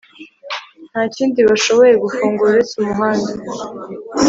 Nta kindi bashoboye gufungura uretse umuhanda